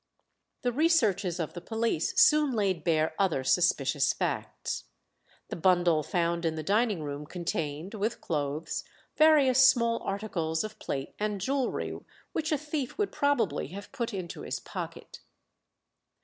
The researches of the police soon laid bare other suspicious facts. The bundle found in the dining room contained, with clothes, various small articles of plate and jewellery which a thief would probably have put into his pocket.